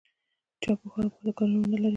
چا په ښو او بدو کار ونه لري.